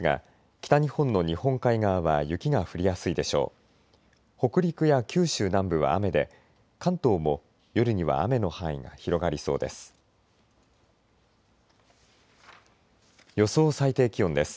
北陸や九州南部は雨で関東も夜には雨の範囲が広がりそうです。